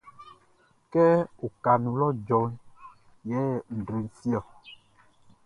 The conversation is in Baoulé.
Kɛ okaʼn i nun lɔʼn djɔ yɛ nʼdre fi ɔ.